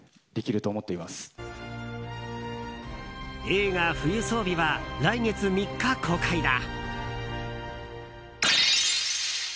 映画「冬薔薇」は来月３日公開だ。